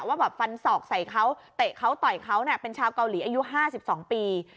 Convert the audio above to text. ว่าแบบฟันศอกใส่เขาเตะเขาต่อยเขาเป็นชาวเกาหลีอายุ๕๒ปี